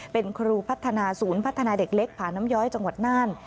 เป็นครูพัฒนาศูนย์พัฒนาเด็กเล็กผาน้ำย้อยจังหวัดน่าน